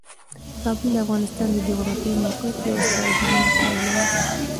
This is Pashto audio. کابل د افغانستان د جغرافیایي موقیعت یوه څرګنده پایله ده.